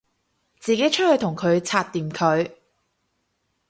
自己出去同佢拆掂佢